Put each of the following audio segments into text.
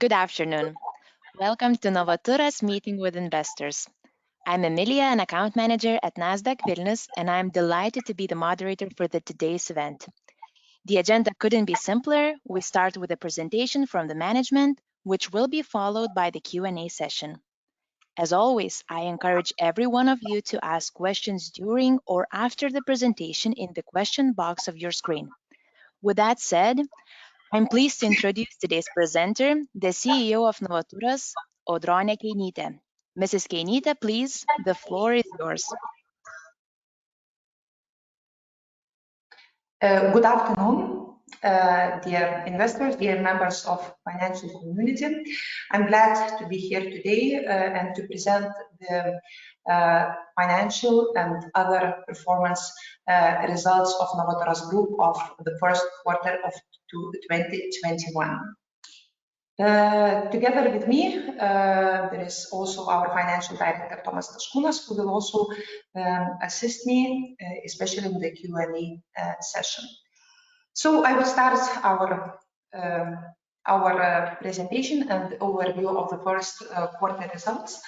Good afternoon. Welcome to Novaturas' meeting with investors. I'm Emilija, an account manager at Nasdaq Vilnius, and I'm delighted to be the moderator for today's event. The agenda couldn't be simpler. We start with a presentation from the management, which will be followed by the Q&A session. As always, I encourage every one of you to ask questions during or after the presentation in the question box of your screen. With that said, I'm pleased to introduce today's presenter, the CEO of Novaturas, Audronė Keinytė. Mrs. Keinytė, please, the floor is yours. Good afternoon, dear investors, dear members of the financial community. I'm glad to be here today and to present the financial and other performance results of Novaturas Group of the first quarter of 2021. Together with me, there is also our Finance Director, Tomas Staškūnas, who will also assist me, especially with the Q&A session. I will start our presentation and overview of the first quarter results.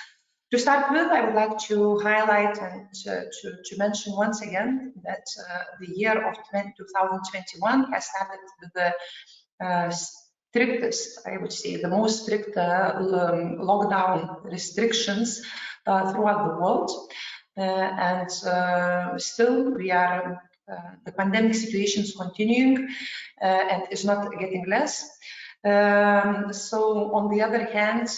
To start with, I would like to highlight and to mention once again that the year of 2021 has happened with the strictest, I would say, the most strict lockdown restrictions throughout the world. Still, the pandemic situation is continuing and is not getting less. On the other hand,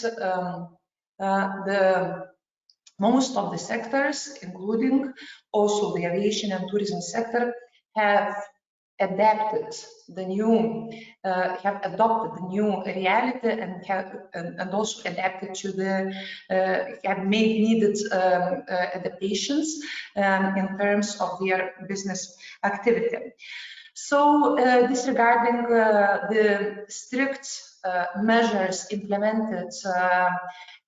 most of the sectors, including also the aviation and tourism sector, have adopted the new reality and made needed adaptations in terms of their business activity. Disregarding the strict measures implemented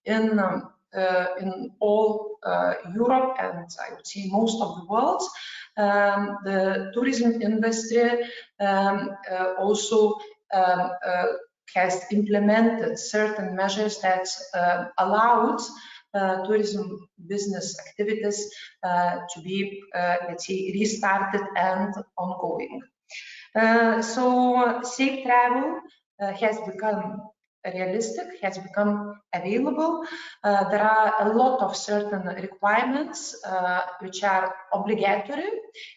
in all Europe and, I would say, most of the world, the tourism industry also has implemented certain measures that allowed tourism business activities to be restarted and ongoing. Safe travel has become realistic, has become available. There are a lot of certain requirements which are obligatory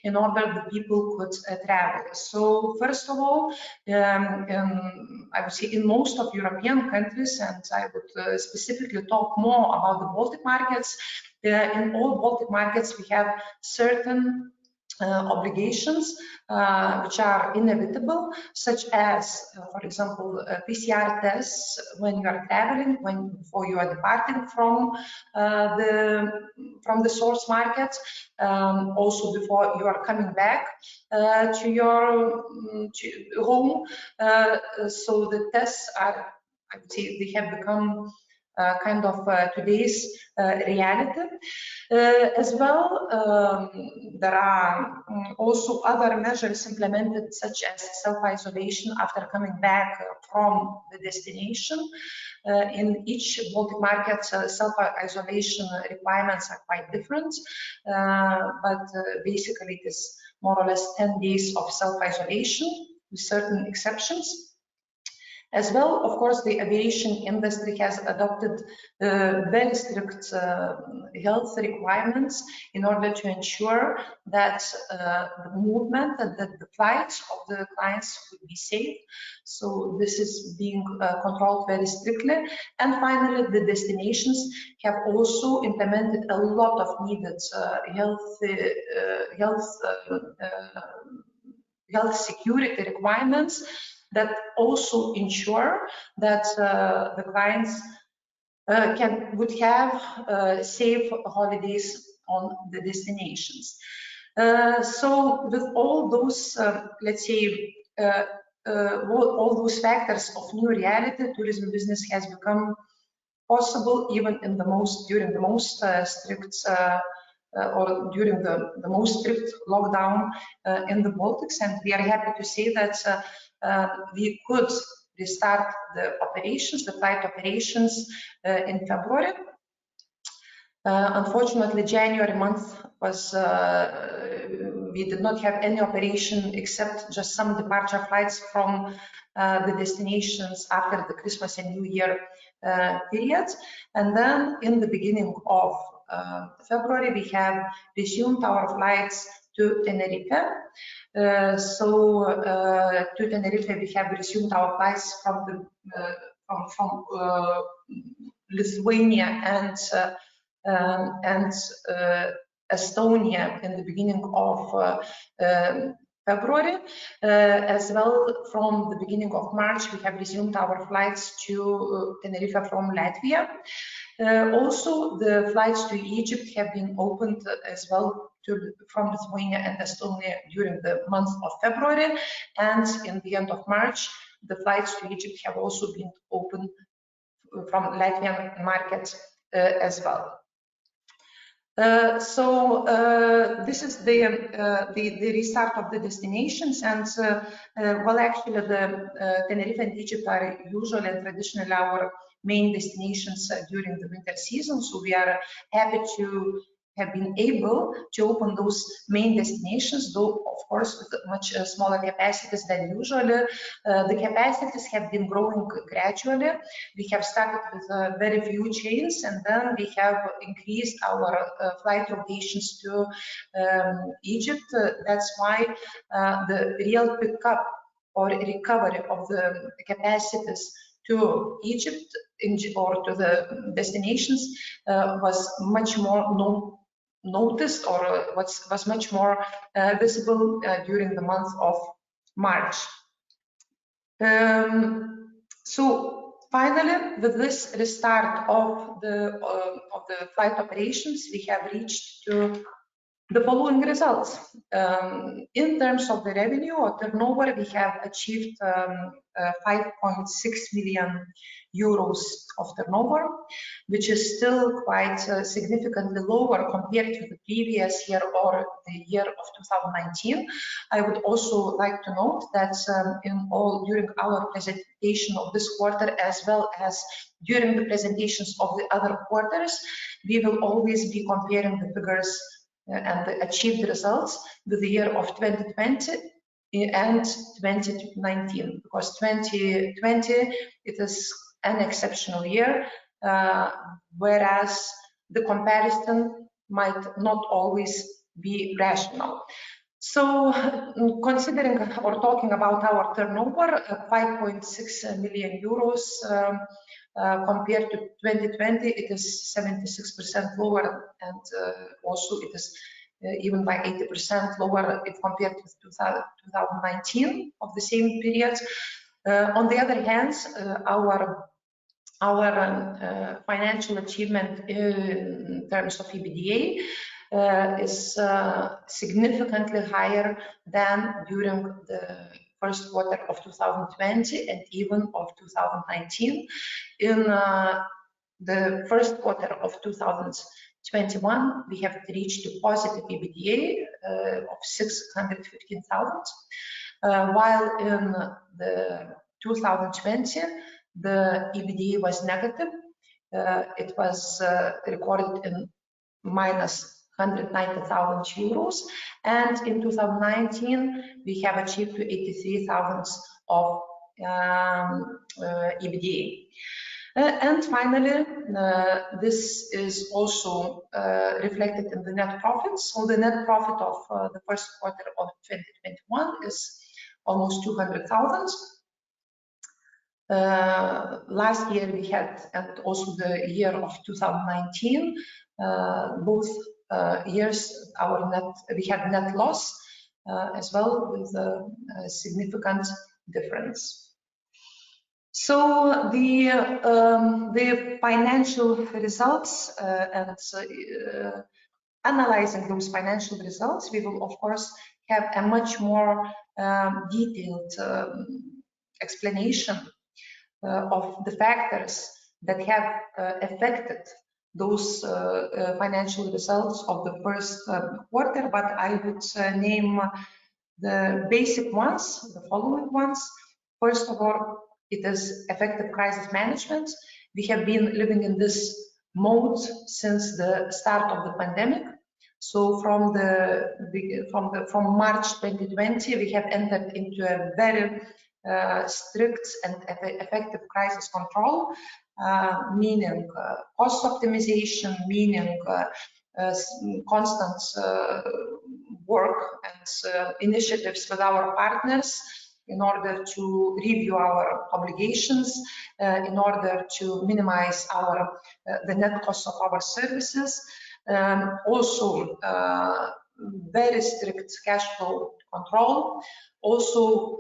in order that people could travel. First of all, I would say in most European countries, and I would specifically talk more about the Baltic markets. In all Baltic markets, we have certain obligations which are inevitable. Such as, for example, PCR tests when you are traveling, before you are departing from the source market, also before you are coming back to your home. The tests have become today's reality. There are also other measures implemented, such as self-isolation after coming back from the destination. In each Baltic market, self-isolation requirements are quite different. Basically, it is more or less 10 days of self-isolation with certain exceptions. Of course, the aviation industry has adopted very strict health requirements in order to ensure that the movement, that the flights of the clients will be safe. This is being controlled very strictly. Finally, the destinations have also implemented a lot of needed health security requirements that also ensure that the clients would have safe holidays on the destinations. With all those factors of new reality, tourism business has become possible even during the most strict lockdown in the Baltics, and we are happy to say that we could restart the flight operations in February. Unfortunately, January, we did not have any operation except just some departure flights from the destinations after the Christmas and New Year periods. Then in the beginning of February, we have resumed our flights to Tenerife. To Tenerife, we have resumed our flights from Lithuania and Estonia in the beginning of February. From the beginning of March, we have resumed our flights to Tenerife from Latvia. The flights to Egypt have been opened as well from Lithuania and Estonia during the month of February. At the end of March, the flights to Egypt have also been opened from the Latvian market as well. This is the restart of the destinations. Actually, Tenerife and Egypt are usually and traditionally our main destinations during the winter season. We are happy to have been able to open those main destinations, though, of course, with much smaller capacities than usual. The capacities have been growing gradually. We have started with very few routes, and then we have increased our flight operations to Egypt. That's why the real pickup or recovery of the capacities to Egypt or to the destinations was much more noticed or was much more visible during the month of March. Finally, with this restart of the flight operations, we have reached the following results. In terms of the revenue or turnover, we have achieved 5.6 million euros of turnover, which is still quite significantly lower compared to the previous year or the year of 2019. I would also like to note that during our presentation of this quarter, as well as during the presentations of the other quarters, we will always be comparing the figures and the achieved results with the year of 2020 and 2019. 2020, it is an exceptional year, whereas the comparison might not always be rational. Considering or talking about our turnover, 5.6 million euros. Compared to 2020, it is 76% lower, and also it is even by 80% lower if compared with 2019 of the same period. On the other hand, our financial achievement in terms of EBITDA is significantly higher than during the first quarter of 2020 and even of 2019. In the first quarter of 2021, we have reached a positive EBITDA of 615,000, while in 2020, the EBITDA was negative. It was recorded in -190,000 euros. In 2019, we have achieved 83,000 of EBITDA. Finally, this is also reflected in the net profits. The net profit of the first quarter of 2021 is almost EUR 200,000. Last year we had, and also the year of 2019, both years we had net loss as well with a significant difference. The financial results. Analyzing those financial results, we will, of course, have a much more detailed explanation of the factors that have affected those financial results of the first quarter, but I would name the basic ones, the following ones. First of all, it is effective crisis management. We have been living in this mode since the start of the pandemic. From March 2020, we have entered into a very strict and effective crisis control, meaning cost optimization, meaning constant work and initiatives with our partners in order to review our obligations, in order to minimize the net cost of our services. Also, very strict cash flow control. Also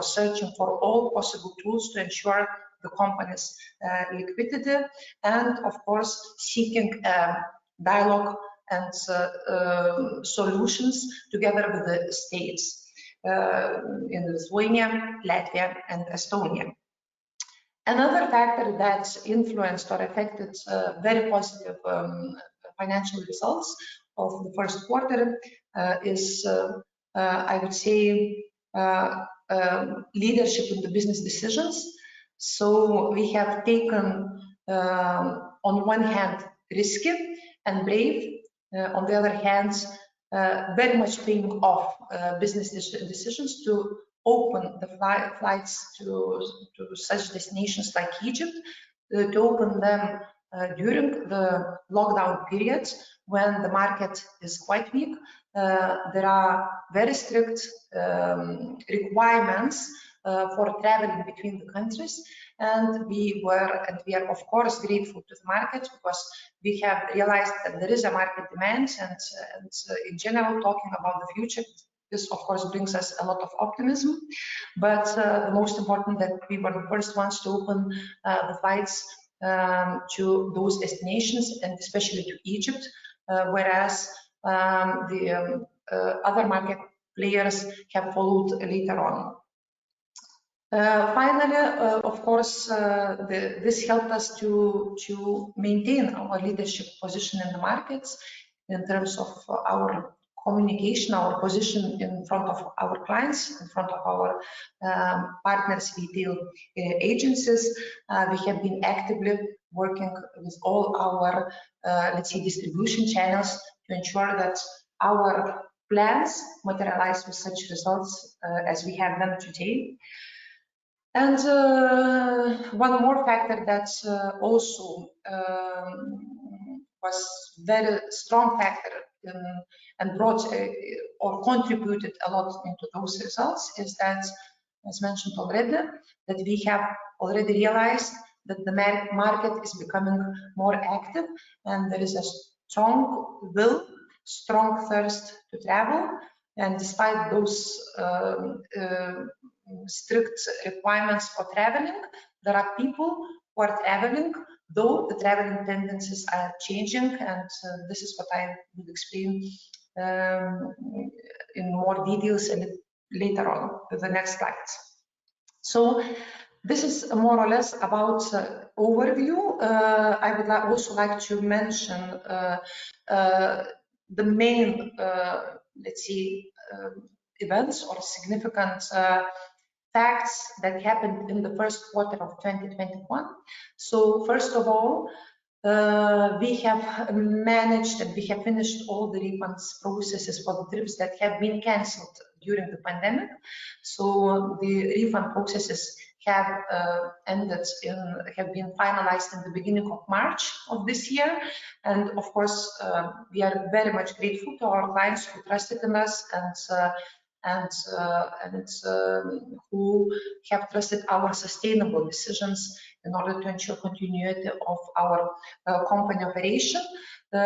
searching for all possible tools to ensure the company's liquidity. Of course, seeking dialogue and solutions together with the states in Lithuania, Latvia, and Estonia. Another factor that influenced or affected very positive financial results of the first quarter is, I would say, leadership in the business decisions. We have taken on one hand, risky and brave, on the other hand, very much think of business decisions to open the flights to such destinations like Egypt, to open them during the lockdown period when the market is quite weak. There are very strict requirements for traveling between the countries. We are, of course, grateful to the market because we have realized that there is a market demand. In general, talking about the future, this, of course, brings us a lot of optimism. Most important that we were the first ones to open the flights to those destinations and especially to Egypt, whereas the other market players have followed later on. Finally, of course, this helped us to maintain our leadership position in the markets in terms of our communication, our position in front of our clients, in front of our partners. We build agencies. We have been actively working with all our distribution channels to ensure that our plans materialize with such results as we have them today. One more factor that also was very strong factor and brought or contributed a lot into those results is that, as mentioned already, that we have already realized that the market is becoming more active and there is a strong will, strong thirst to travel. Despite those strict requirements for traveling, there are people who are traveling, though the traveling tendencies are changing. This is what I will explain in more details later on with the next slides. This is more or less about overview. I would also like to mention the main events or significant facts that happened in the first quarter of 2021. First of all, we have managed and we have finished all the refunds processes for the trips that have been canceled during the pandemic. The refund processes have been finalized in the beginning of March of this year. Of course, we are very much grateful to our clients who trusted in us and who have trusted our sustainable decisions in order to ensure continuity of our company operation. We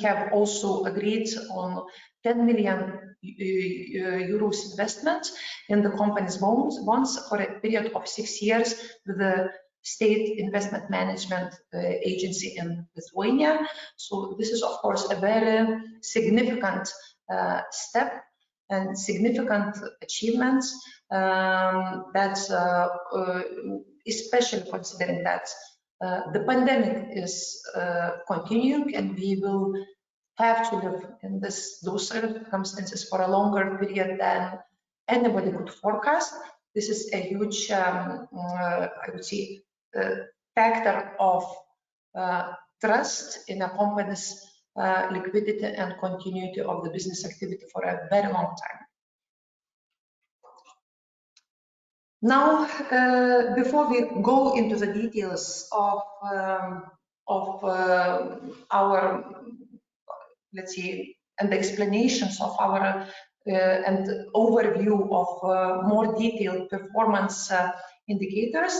have also agreed on 10 million euros investment in the company's bonds for a period of six years with the State Investment Management Agency in Lithuania. This is of course a very significant step and significant achievements, especially considering that the pandemic is continuing and we will have to live in those circumstances for a longer period than anybody could forecast. This is a huge, I would say, factor of trust in a company's liquidity and continuity of the business activity for a very long time. Now before we go into the details of our explanations and overview of more detailed performance indicators,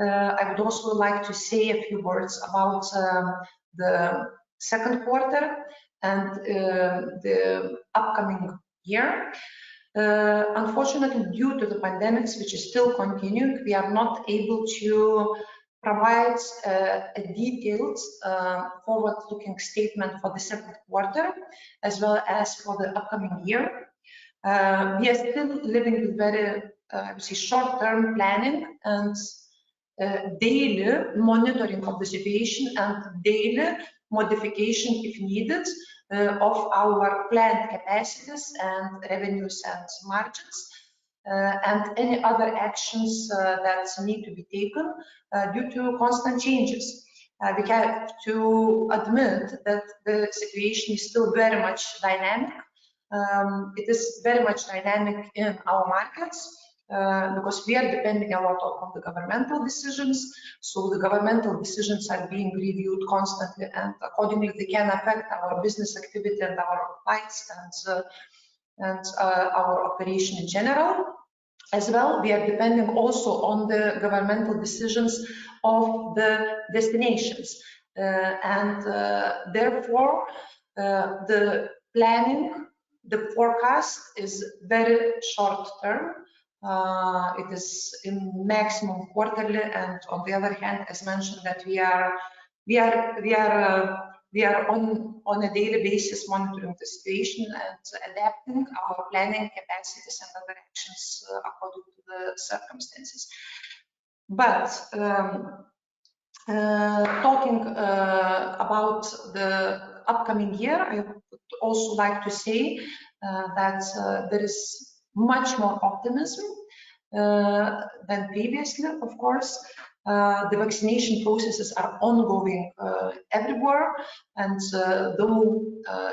I would also like to say a few words about the second quarter and the upcoming year. Unfortunately, due to the pandemic, which is still continuing, we are not able to provide a detailed forward-looking statement for the second quarter as well as for the upcoming year. We are still living with very short-term planning and daily monitoring of the situation and daily modification if needed of our planned capacities and revenues and margins, and any other actions that need to be taken due to constant changes. We have to admit that the situation is still very much dynamic. It is very much dynamic in our markets because we are depending a lot on the governmental decisions. The governmental decisions are being reviewed constantly and accordingly they can affect our business activity and our clients and our operation in general. As well, we are depending also on the governmental decisions of the destinations. Therefore, the planning, the forecast is very short term. It is in maximum quarterly and on the other hand, as mentioned that we are on a daily basis monitoring the situation and adapting our planning capacities and other actions according to the circumstances. Talking about the upcoming year, I would also like to say that there is much more optimism than previously of course. The vaccination processes are ongoing everywhere and though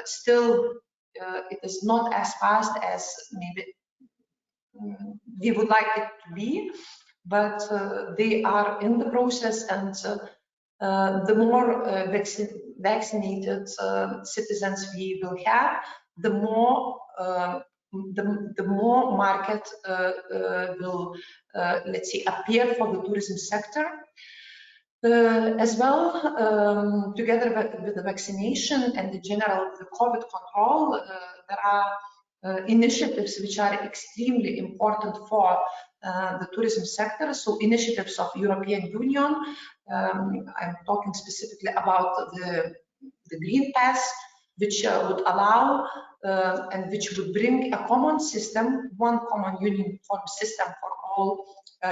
still it is not as fast as maybe we would like it to be, but they are in the process and the more vaccinated citizens we will have, the more market will appear for the tourism sector. As well, together with the vaccination and the general COVID control, there are initiatives which are extremely important for the tourism sector. Initiatives of European Union, I'm talking specifically about the Green Pass, which would allow, and which would bring a common system, one common union form system for all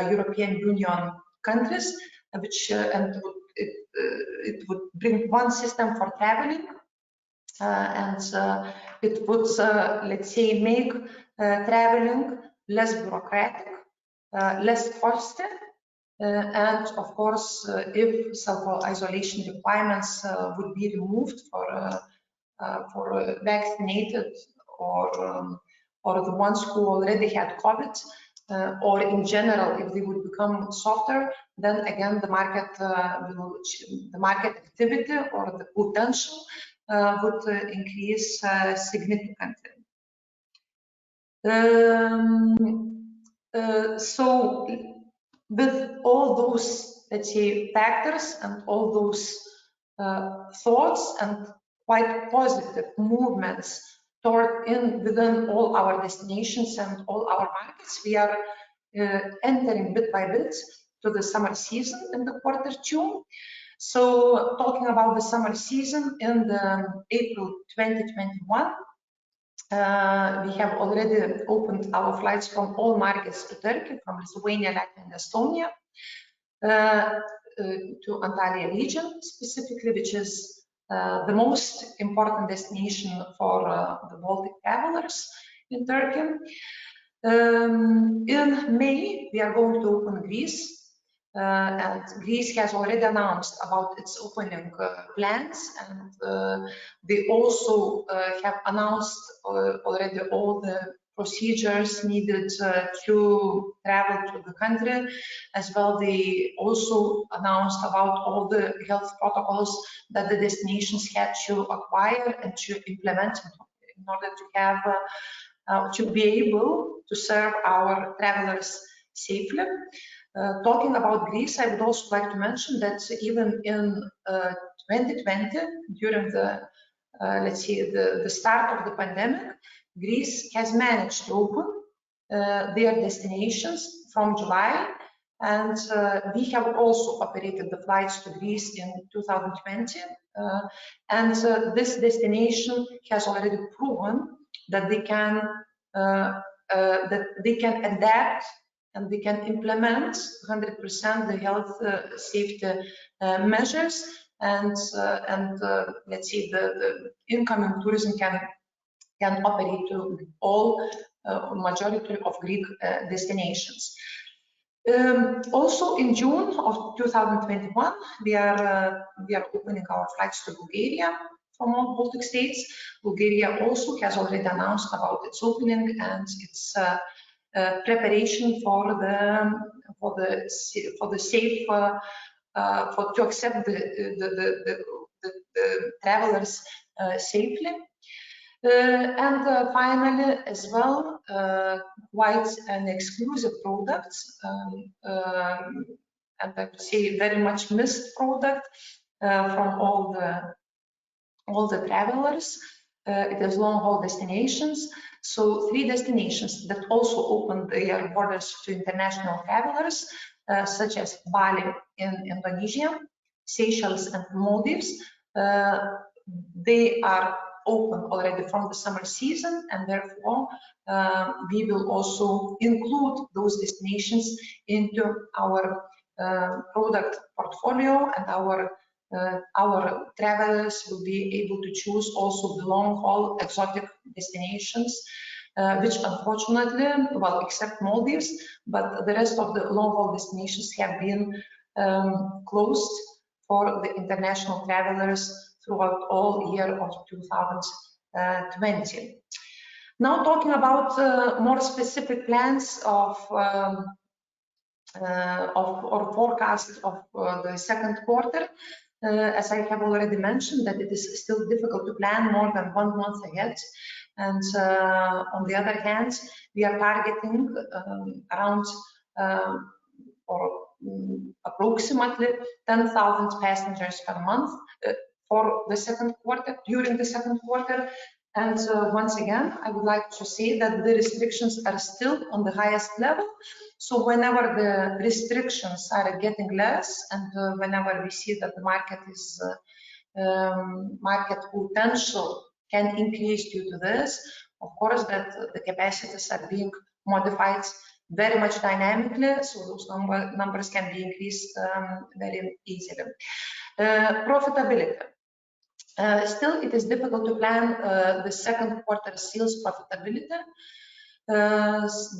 European Union countries. It would bring one system for traveling, and it would make traveling less bureaucratic, less fuss. Of course, if self-isolation requirements would be removed for vaccinated or the ones who already had COVID, or in general, if they would become softer, then again, the market activity or the potential would increase significantly. With all those, let's say factors and all those thoughts and quite positive movements within all our destinations and all our markets, we are entering bit by bit to the summer season in the quarter June. Talking about the summer season in April 2021, we have already opened our flights from all markets to Turkey, from Lithuania, Latvia, and Estonia, to Antalya Region specifically, which is the most important destination for the Baltic travelers in Turkey. In May, we are going to open Greece. Greece has already announced about its opening plans, and they also have announced already all the procedures needed to travel to the country. As well, they also announced about all the health protocols that the destinations had to acquire and to implement in order to be able to serve our travelers safely. Talking about Greece, I would also like to mention that even in 2020, during the start of the pandemic, Greece has managed to open their destinations from July. We have also operated the flights to Greece in 2020. This destination has already proven that they can adapt, and they can implement 100% the health safety measures and, let's say the incoming tourism can operate to all or majority of Greek destinations. In June of 2021, we are opening our flights to Bulgaria from all Baltic States. Bulgaria has already announced about its opening and its preparation to accept the travelers safely. Finally, as well, quite an exclusive product, and I would say very much missed product from all the travelers. It is long-haul destinations. Three destinations that also open their borders to international travelers, such as Bali in Indonesia, Seychelles, and Maldives, they are open already from the summer season, and therefore, we will also include those destinations into our product portfolio. Our travelers will be able to choose also the long-haul exotic destinations, which unfortunately, well except Maldives, but the rest of the long-haul destinations have been closed for the international travelers throughout all year of 2020. Talking about more specific plans or forecasts of the second quarter. As I have already mentioned, that it is still difficult to plan more than one month ahead. On the other hand, we are targeting around, or approximately 10,000 passengers per month during the second quarter. Once again, I would like to say that the restrictions are still on the highest level. Whenever the restrictions are getting less and whenever we see that the market potential can increase due to this, of course, that the capacities are being modified very much dynamically. Those numbers can be increased very easily. Profitability. Still, it is difficult to plan the second quarter sales profitability.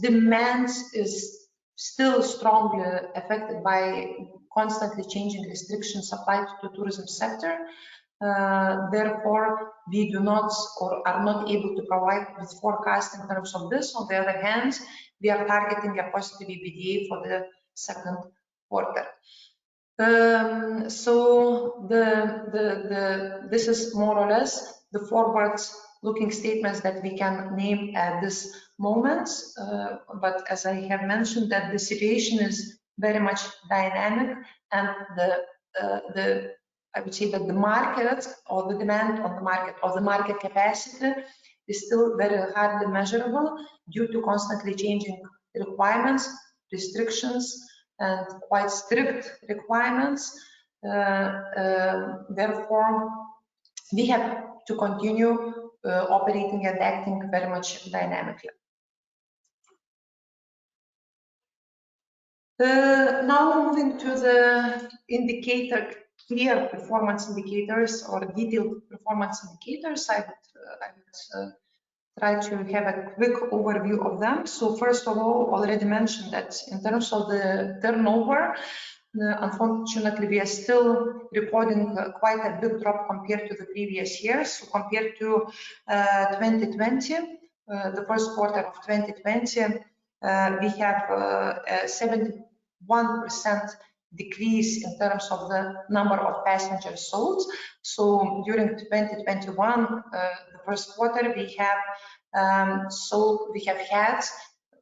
Demand is still strongly affected by constantly changing restrictions applied to tourism sector. Therefore, we are not able to provide with forecast in terms of this. On the other hand, we are targeting a positive EBITDA for the second quarter. This is more or less the forward-looking statements that we can name at this moment. As I have mentioned that the situation is very much dynamic and I would say that the market or the demand of the market or the market capacity is still very hardly measurable due to constantly changing requirements, restrictions, and quite strict requirements. We have to continue operating and acting very much dynamically. Moving to the clear performance indicators or detailed performance indicators. I would try to have a quick overview of them. First of all, already mentioned that in terms of the turnover, unfortunately, we are still reporting quite a big drop compared to the previous years. Compared to the first quarter of 2020, we have a 71% decrease in terms of the number of passengers sold. During 2021, the first quarter, we have had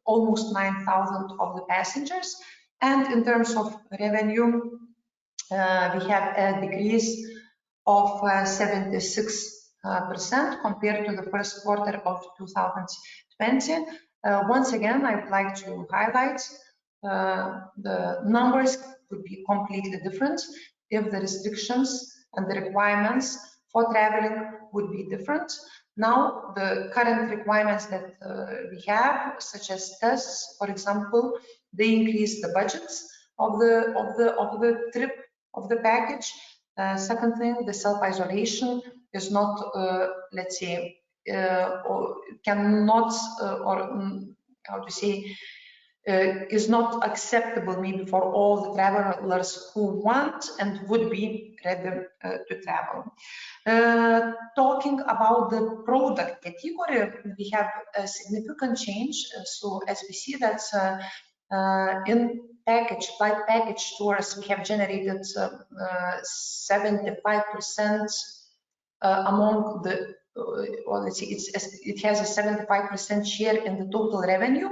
almost 9,000 of the passengers. In terms of revenue, we have a decrease of 76% compared to the first quarter of 2020. Once again, I would like to highlight the numbers would be completely different if the restrictions and the requirements for traveling would be different. Now, the current requirements that we have, such as tests, for example, they increase the budgets of the trip, of the package. Second thing, the self-isolation is not acceptable, maybe for all the travelers who want and would be ready to travel. Talking about the product category, we have a significant change. As we see that in flight package tours, it has a 75% share in the total revenue.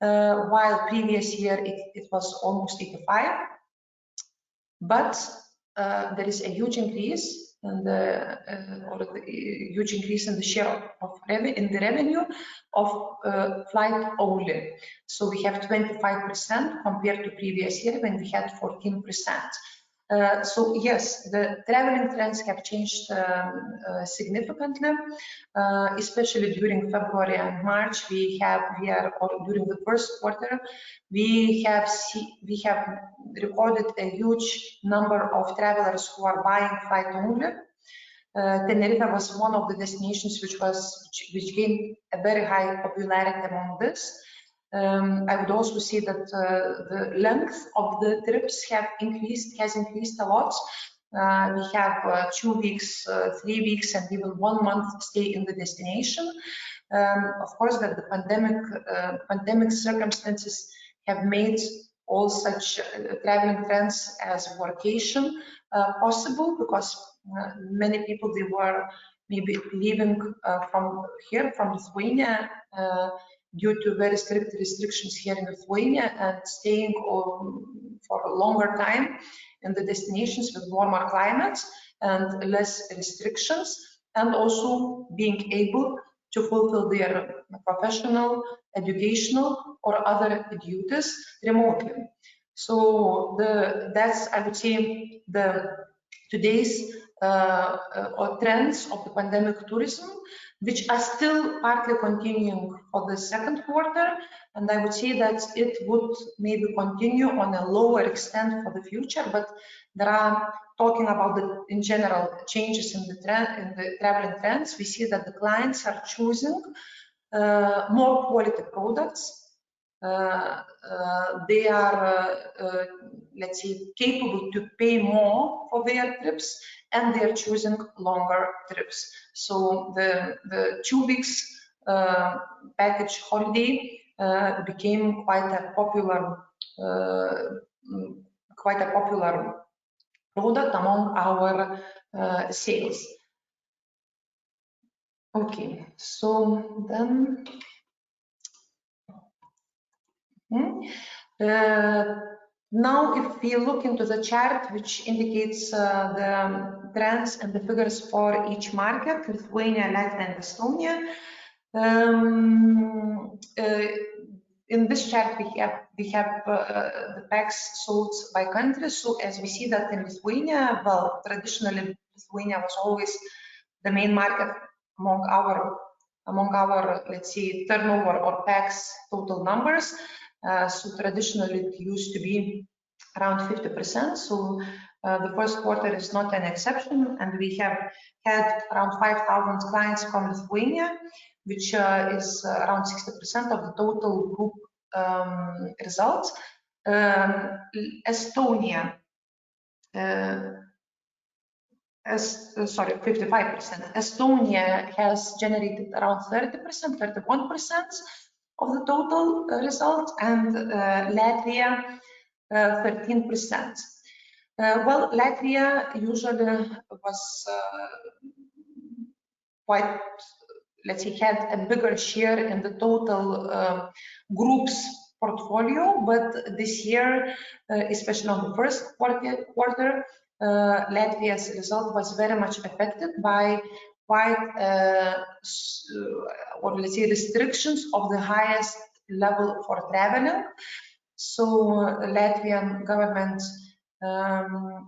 While previous year it was almost 85. There is a huge increase in the revenue of flight only. We have 25% compared to previous year when we had 14%. Yes, the traveling trends have changed significantly, especially during February and March. During the first quarter, we have recorded a huge number of travelers who are buying flight only. Tenerife was one of the destinations which gained a very high popularity among this. I would also say that the length of the trips has increased a lot. We have two weeks, three weeks, and even one month stay in the destination. Of course, the pandemic circumstances have made all such traveling trends as workation possible because many people were maybe leaving from here, from Lithuania, due to very strict restrictions here in Lithuania, and staying for a longer time in the destinations with warmer climates and less restrictions. Also being able to fulfill their professional, educational, or other duties remotely. That's, I would say, today's trends of the pandemic tourism, which are still partly continuing for the second quarter. I would say that it would maybe continue on a lower extent for the future, but there are, talking about, in general, changes in the traveling trends. We see that the clients are choosing more quality products. They are capable to pay more for their trips, and they are choosing longer trips. The two weeks package holiday became quite a popular product among our sales. Okay. If we look into the chart, which indicates the trends and the figures for each market, Lithuania, Latvia, and Estonia. In this chart, we have the pax sold by country. As we see that in Lithuania, well, traditionally, Lithuania was always the main market among our turnover or pax total numbers. Traditionally, it used to be around 50%. The first quarter is not an exception, and we have had around 5,000 clients from Lithuania, which is around 60% of the total group results. Sorry, 55%. Estonia has generated around 31% of the total result and Latvia, 13%. Well, Latvia usually had a bigger share in the total group's portfolio. This year, especially on the first quarter, Latvia's result was very much affected by quite, restrictions of the highest level for traveling. Latvian government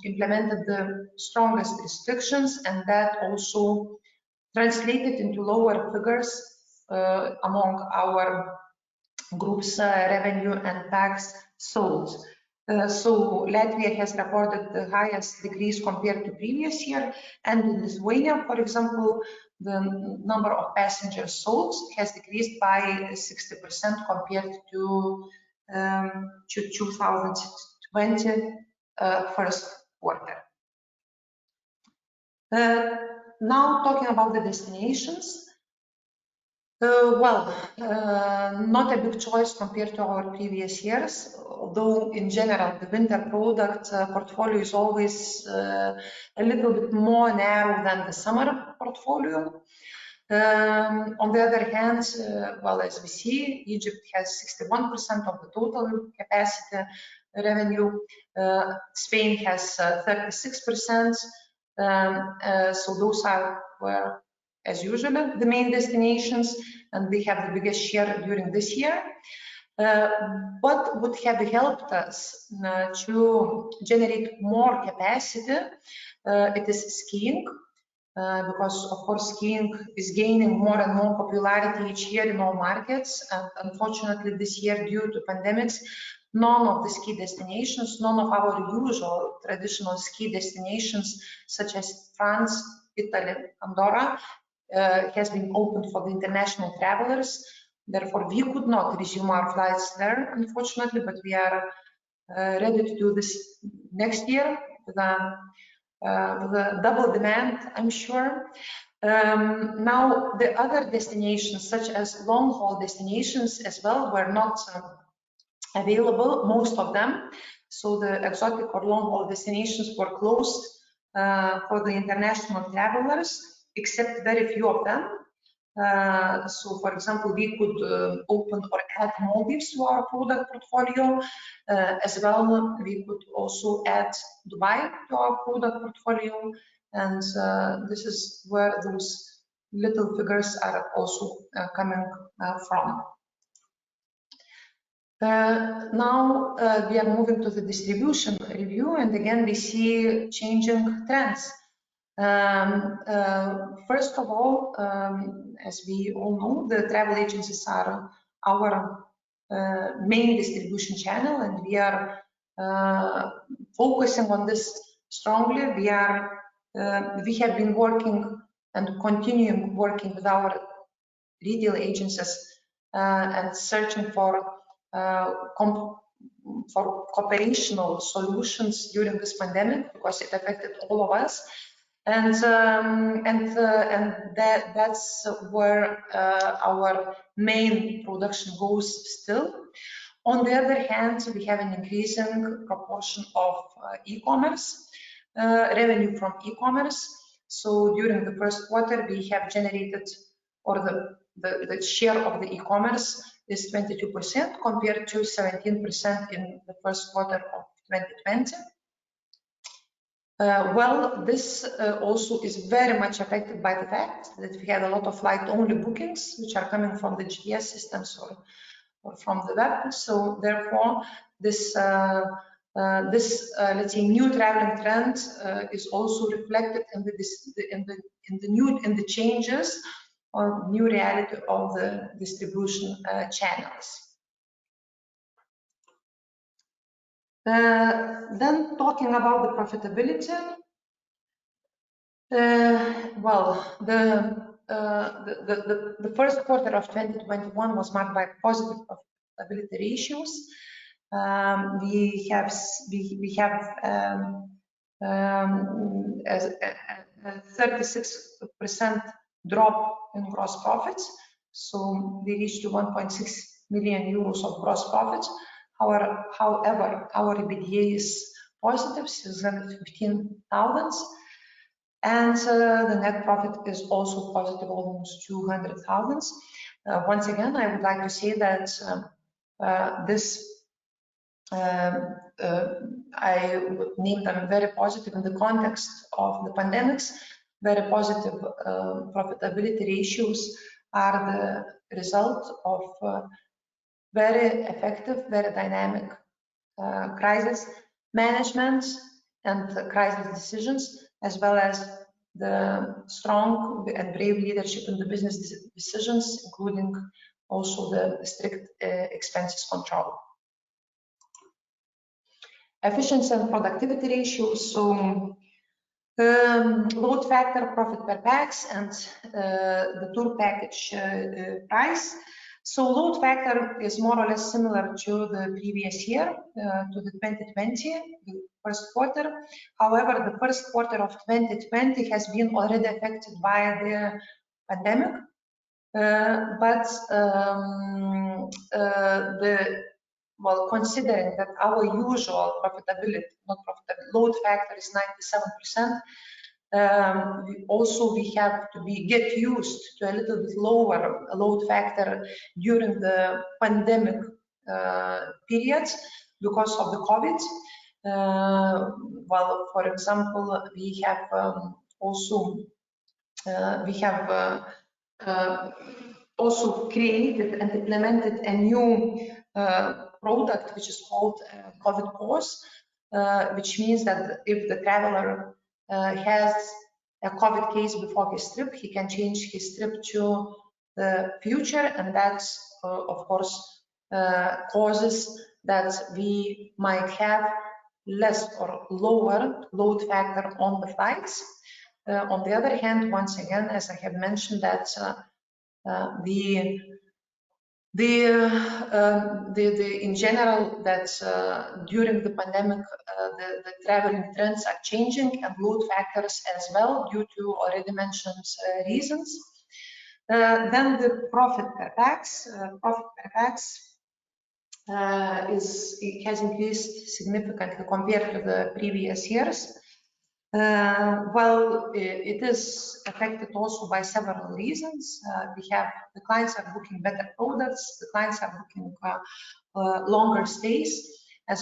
implemented the strongest restrictions, and that also translated into lower figures among our group's revenue and pax sold. Latvia has reported the highest decrease compared to previous year. In Lithuania, for example, the number of passengers sold has decreased by 60% compared to 2020 first quarter. Now talking about the destinations. Well, not a big choice compared to our previous years, although in general, the winter product portfolio is always a little bit more narrow than the summer portfolio. On the other hand, well, as we see, Egypt has 61% of the total capacity revenue. Spain has 36%. Those are, well, as usual, the main destinations, and we have the biggest share during this year. What would have helped us to generate more capacity? It is skiing. Of course, skiing is gaining more and more popularity each year in all markets. Unfortunately, this year, due to pandemic, none of the ski destinations, none of our usual traditional ski destinations such as France, Italy, Andorra, has been opened for the international travelers. Therefore, we could not resume our flights there, unfortunately, but we are ready to do this next year with the double demand, I'm sure. The other destinations, such as long-haul destinations as well, were not available, most of them. The exotic or long-haul destinations were closed for the international travelers, except very few of them. For example, we could open or add Maldives to our product portfolio. As well, we could also add Dubai to our product portfolio. This is where those little figures are also coming from. We are moving to the distribution review, and again, we see changing trends. First of all, as we all know, the travel agencies are our main distribution channel, and we are focusing on this strongly. We have been working and continue working with our leading agencies and searching for cooperational solutions during this pandemic because it affected all of us. That's where our main production goes still. On the other hand, we have an increasing proportion of revenue from e-commerce. During the first quarter, the share of the e-commerce is 22%, compared to 17% in the first quarter of 2020. Well, this also is very much affected by the fact that we have a lot of flight-only bookings, which are coming from the GDS system, from the web. Therefore this new traveling trend is also reflected in the changes on new reality of the distribution channels. Talking about the profitability. Well, the first quarter of 2021 was marked by positive profitability ratios. We have a 36% drop in gross profits. We reached 1.6 million euros of gross profits. Our EBITDA is positive, 615,000. The net profit is also positive, almost 200,000. Once again, I would like to say that I named them very positive in the context of the pandemics. Very positive profitability ratios are the result of very effective, very dynamic crisis management and crisis decisions, as well as the strong and brave leadership in the business decisions, including also the strict expenses control. Efficiency and productivity ratios. Load factor, profit per pax, and the tour package price. Load factor is more or less similar to the previous year, to the 2020 first quarter. The first quarter of 2020 has been already affected by the pandemic. Well, considering that our usual load factor is 97%, also we get used to a little bit lower load factor during the pandemic periods because of the COVID. Well, for example, we have also created and implemented a new product, which is called COVID Pause, which means that if the traveler has a COVID case before his trip, he can change his trip to the future and that, of course, causes that we might have less or lower load factor on the flights. On the other hand, once again, as I have mentioned, in general, during the pandemic, the traveling trends are changing and load factors as well due to already mentioned reasons. The profit per pax. Profit per pax has increased significantly compared to the previous years. It is affected also by several reasons. We have the clients are booking better products. The clients are booking longer stays. We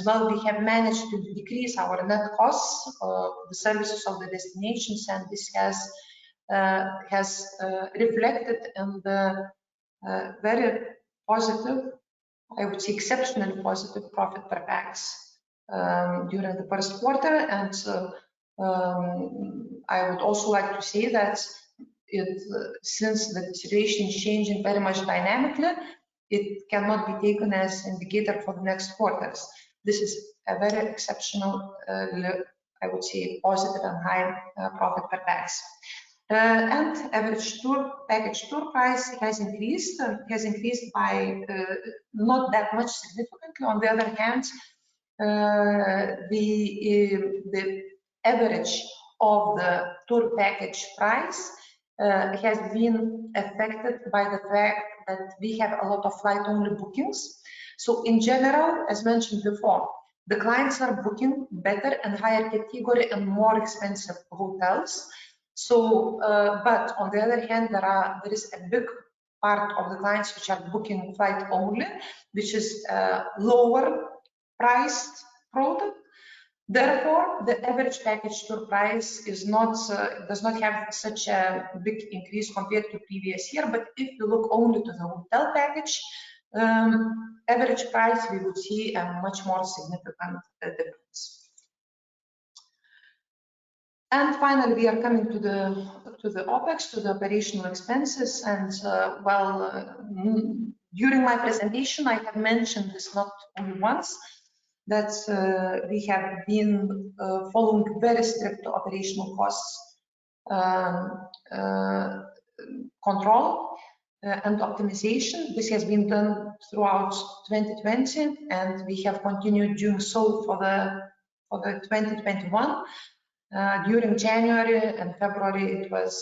have managed to decrease our net costs for the services of the destinations, and this has reflected in the very positive, I would say exceptionally positive profit per pax during the first quarter. I would also like to say that since the situation is changing very much dynamically, it cannot be taken as indicator for the next quarters. This is a very exceptional, I would say, positive and high profit per pax. Average package tour price has increased by not that much significantly. On the other hand, the average of the tour package price has been affected by the fact that we have a lot of flight-only bookings. In general, as mentioned before, the clients are booking better and higher category and more expensive hotels. On the other hand, there is a big part of the clients which are booking flight only, which is a lower priced product. Therefore, the average package tour price does not have such a big increase compared to previous year. If you look only to the hotel package average price, we would see a much more significant difference. Finally, we are coming to the OpEx, to the operational expenses. While during my presentation, I have mentioned this not only once, that we have been following very strict operational costs control and optimization. This has been done throughout 2020, and we have continued doing so for the 2021. During January and February, it was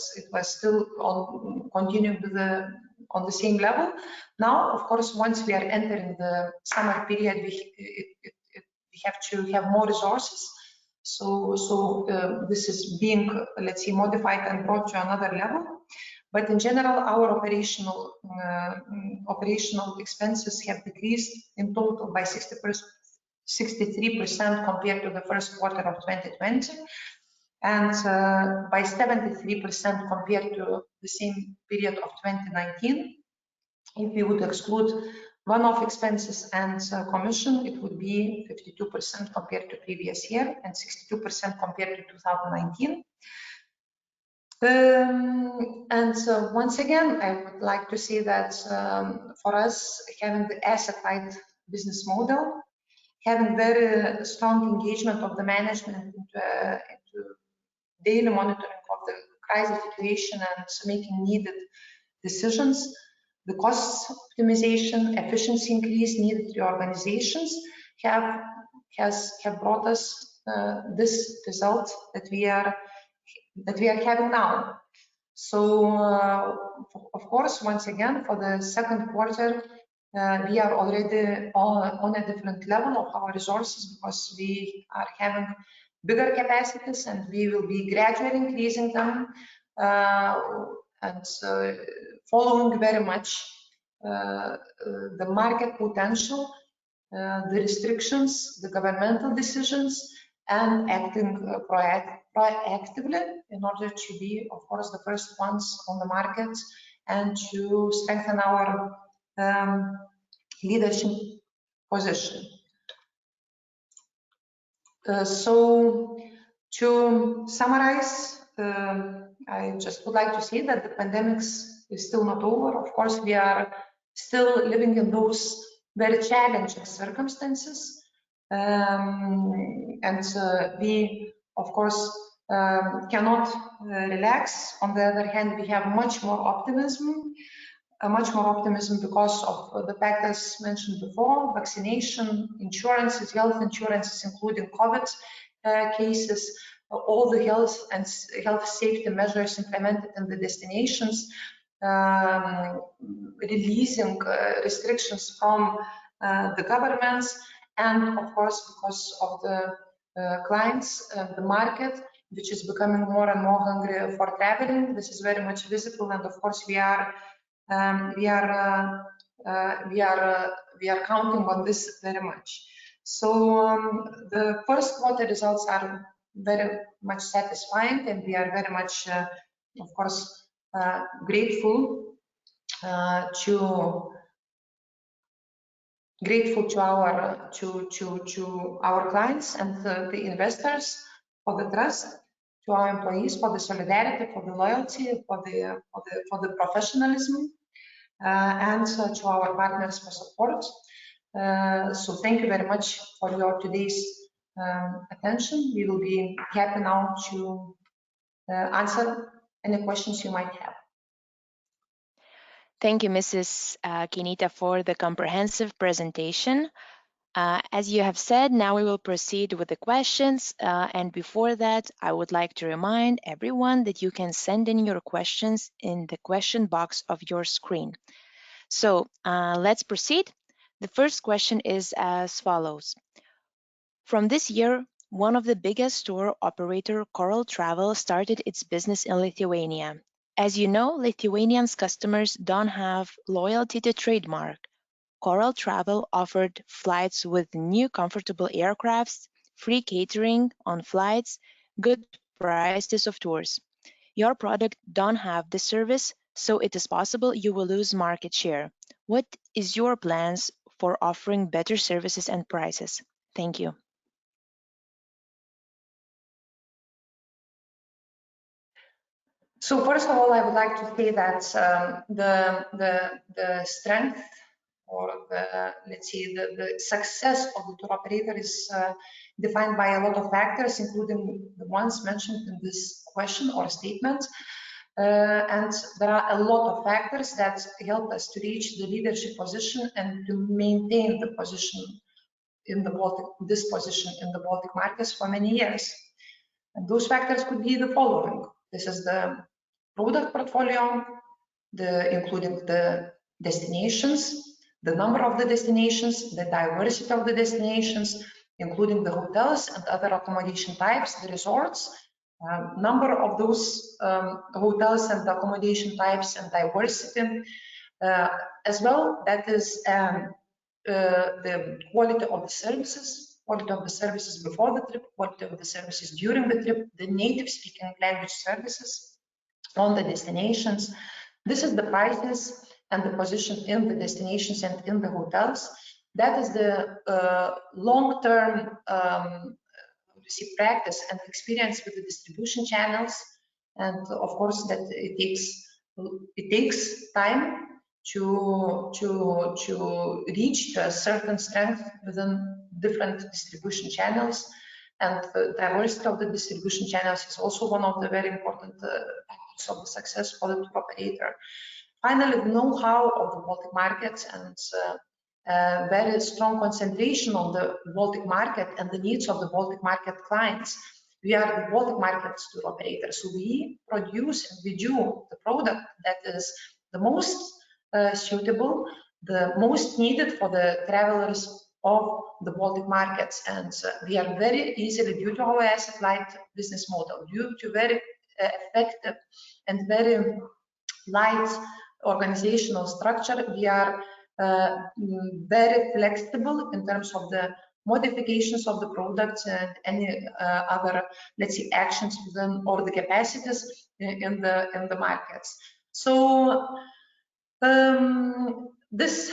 still continuing on the same level. Of course, once we are entering the summer period, we have to have more resources. This is being, let's say, modified and brought to another level. In general, our OpEx have decreased in total by 63% compared to the first quarter of 2020 and by 73% compared to the same period of 2019. If we would exclude one-off expenses and commission, it would be 52% compared to previous year and 62% compared to 2019. Once again, I would like to say that, for us, having the asset-light business model, having very strong engagement of the management into daily monitoring of the crisis situation and making needed decisions, the cost optimization, efficiency increase needed reorganizations have brought us this result that we are having now. Of course, once again, for the second quarter, we are already on a different level of our resources because we are having bigger capacities and we will be gradually increasing them. Following very much the market potential, the restrictions, the governmental decisions, and acting proactively in order to be, of course, the first ones on the market and to strengthen our leadership position. To summarize, I just would like to say that the pandemic is still not over. Of course, we are still living in those very challenging circumstances. We, of course, cannot relax. On the other hand, we have much more optimism. Much more optimism because of the fact, as mentioned before, vaccination, insurances, health insurances, including COVID cases, all the health and health safety measures implemented in the destinations, releasing restrictions from the governments, and of course, because of the clients, the market, which is becoming more and more hungry for traveling. This is very much visible, and of course we are counting on this very much. The first quarter results are very much satisfying, and we are very much, of course, grateful to our clients and the investors for the trust, to our employees for the solidarity, for the loyalty, for the professionalism, and to our partners for support. Thank you very much for your today's attention. We will be happy now to answer any questions you might have. Thank you, Mrs. Keinytė, for the comprehensive presentation. As you have said, now we will proceed with the questions. Before that, I would like to remind everyone that you can send in your questions in the question box of your screen. Let's proceed. The first question is as follows. From this year, one of the biggest tour operator, Coral Travel, started its business in Lithuania. As you know, Lithuanians customers don't have loyalty to trademark. Coral Travel offered flights with new comfortable aircrafts, free catering on flights, good prices of tours. Your product don't have this service, so it is possible you will lose market share. What is your plans for offering better services and prices? Thank you. First of all, I would like to say that the strength or the, let's say, the success of the tour operator is defined by a lot of factors, including the ones mentioned in this question or statement. There are a lot of factors that help us to reach the leadership position and to maintain this position in the Baltic markets for many years. Those factors could be the following. This is the product portfolio, including the destinations, the number of the destinations, the diversity of the destinations, including the hotels and other accommodation types, the resorts. Number of those hotels and accommodation types and diversity. As well, that is the quality of the services, quality of the services before the trip, quality of the services during the trip, the native-speaking language services on the destinations. This is the prices and the position in the destinations and in the hotels. That is the long-term practice and experience with the distribution channels. Of course, it takes time to reach a certain strength within different distribution channels. Diversity of the distribution channels is also one of the very important factors of the success for the tour operator. Finally, know-how of the Baltic markets and very strong concentration on the Baltic market and the needs of the Baltic market clients. We are Baltic market tour operators. We produce and we do the product that is the most suitable, the most needed for the travelers of the Baltic markets. We are very easily due to our asset-light business model, due to very effective and very light organizational structure. We are very flexible in terms of the modifications of the products and any other, let's say, actions within all the capacities in the markets. This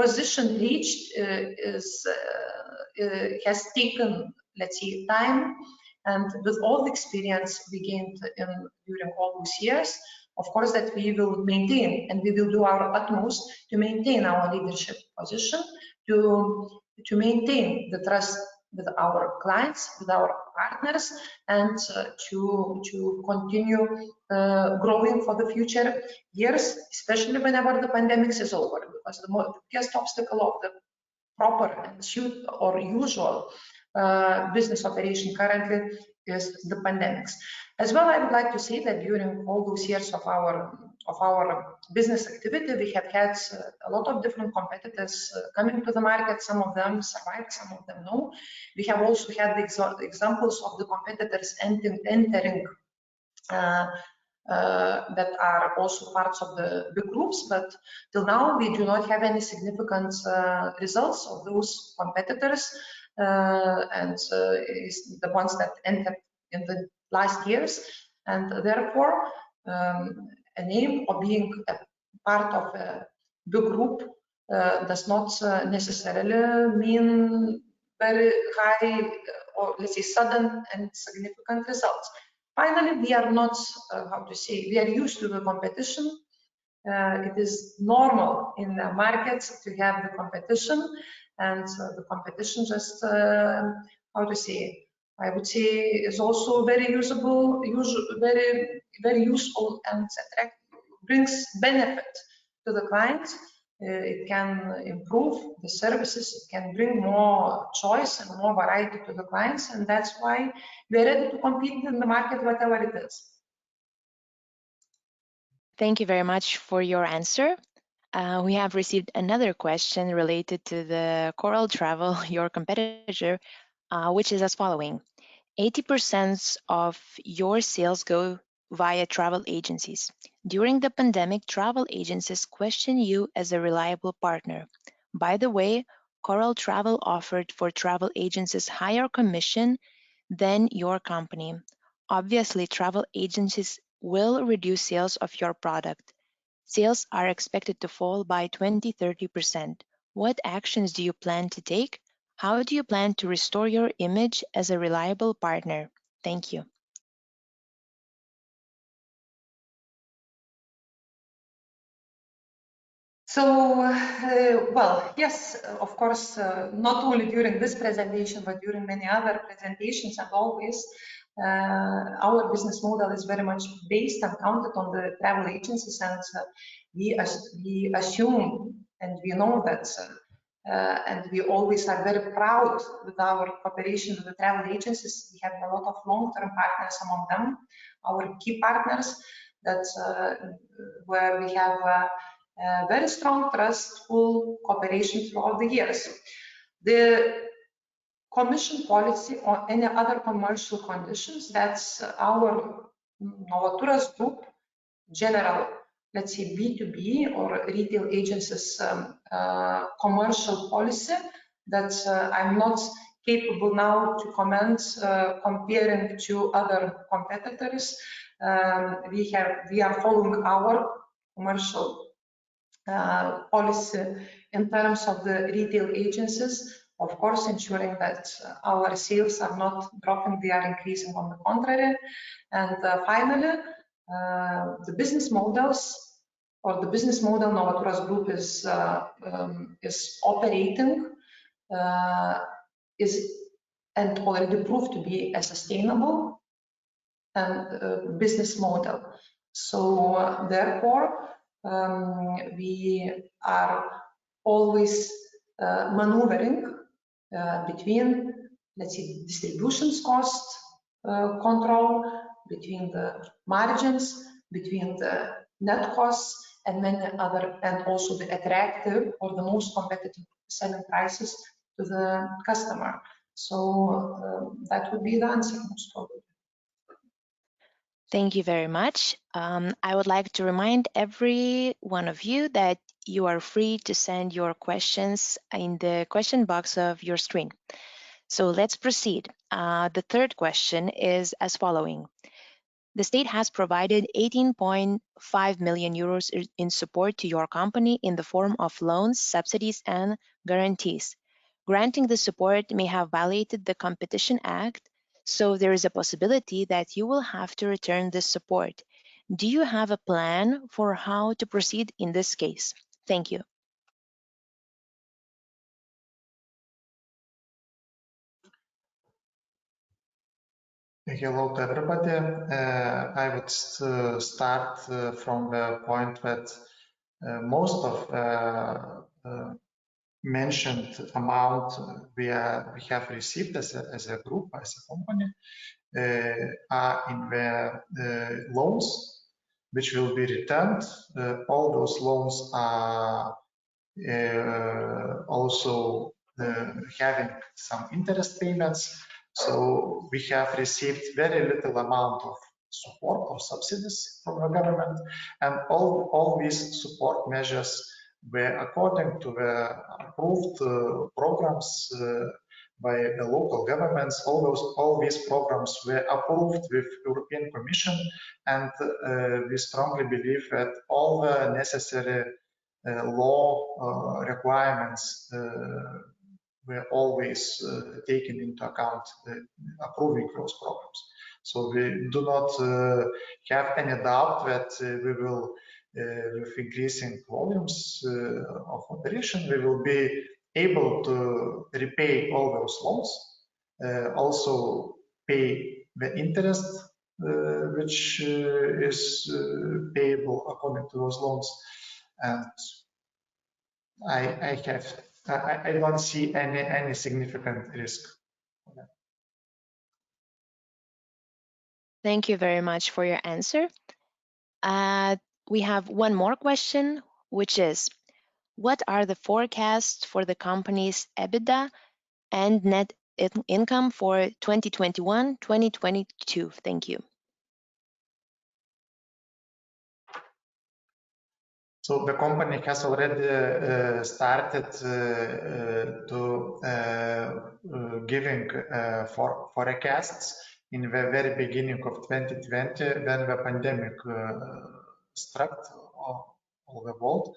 position reached has taken time and with all the experience gained during all those years, of course, that we will maintain, and we will do our utmost to maintain our leadership position. To maintain the trust with our clients, with our partners, and to continue growing for the future years, especially whenever the pandemic is over. The biggest obstacle of the proper and usual business operation currently is the pandemic. As well, I would like to say that during all those years of our business activity, we have had a lot of different competitors coming to the market. Some of them survived, some of them no. We have also had the examples of the competitors entering that are also parts of the big groups. Till now, we do not have any significant results of those competitors and the ones that entered in the last years. Therefore, a name or being a part of a big group does not necessarily mean very high or, let's say, sudden and significant results. Finally, we are used to the competition. It is normal in the markets to have the competition and the competition just, I would say, is also very useful and brings benefit to the clients. It can improve the services, it can bring more choice and more variety to the clients, and that's why we are ready to compete in the market whatever it is. Thank you very much for your answer. We have received another question related to the Coral Travel, your competitor, which is as following. 80% of your sales go via travel agencies. During the pandemic, travel agencies question you as a reliable partner. By the way, Coral Travel offered for travel agencies higher commission than your company. Obviously, travel agencies will reduce sales of your product. Sales are expected to fall by 20%-30%. What actions do you plan to take? How do you plan to restore your image as a reliable partner? Thank you. Yes, of course, not only during this presentation, but during many other presentations, always our business model is very much based and counted on the travel agencies. We assume and we know that. We always are very proud with our cooperation with the travel agencies. We have a lot of long-term partners, some of them our key partners, where we have a very strong, trustful cooperation throughout the years. The commission policy or any other commercial conditions, that's our Novaturas Group general, let's say B2B or retail agencies commercial policy that I'm not capable now to comment comparing to other competitors. We are following our commercial policy in terms of the retail agencies, of course, ensuring that our sales are not dropping. They are increasing, on the contrary. Finally, the business models or the business model Novaturas Group is operating and already proved to be a sustainable business model. Therefore, we are always maneuvering between, let's say, distribution cost control, between the margins, between the net costs and also the attractive or the most competitive selling prices to the customer. That would be the answer, most probably. Thank you very much. I would like to remind every one of you that you are free to send your questions in the question box of your screen. Let's proceed. The third question is as following: The state has provided 18.5 million euros in support to your company in the form of loans, subsidies, and guarantees. Granting the support may have violated the Competition Act, so there is a possibility that you will have to return this support. Do you have a plan for how to proceed in this case? Thank you. Hello to everybody. I would start from the point that most of mentioned amount we have received as a group, as a company, are in the loans, which will be returned. All those loans are also having some interest payments. We have received very little amount of support or subsidies from the government and all these support measures were according to the approved programs by the local governments. All these programs were approved with European Commission, we strongly believe that all the necessary law requirements were always taken into account approving those programs. We do not have any doubt that with increasing volumes of operation, we will be able to repay all those loans. Also pay the interest, which is payable according to those loans. I don't see any significant risk. Thank you very much for your answer. We have one more question, which is: What are the forecasts for the company's EBITDA and net income for 2021, 2022? Thank you. The company has already started to giving forecasts in the very beginning of 2020, when the pandemic struck all the world.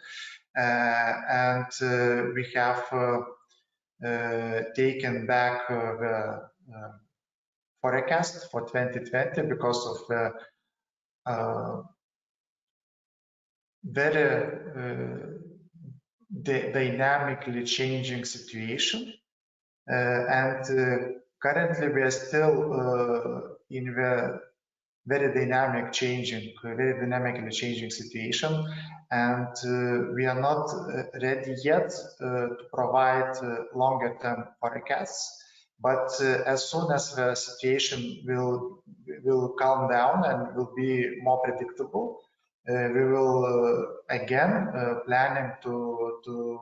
We have taken back the forecast for 2020 because of the very dynamically changing situation. Currently, we are still in the very dynamically changing situation, and we are not ready yet to provide longer term forecasts. As soon as the situation will calm down and will be more predictable, we will again planning to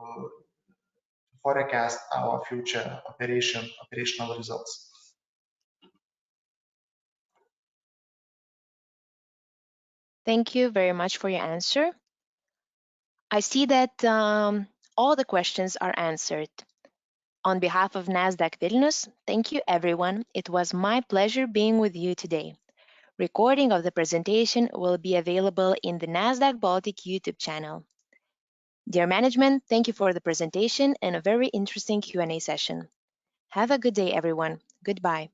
forecast our future operational results. Thank you very much for your answer. I see that all the questions are answered. On behalf of Nasdaq Vilnius, thank you, everyone. It was my pleasure being with you today. Recording of the presentation will be available in the Nasdaq Baltic YouTube channel. Dear management, thank you for the presentation and a very interesting Q&A session. Have a good day, everyone. Goodbye.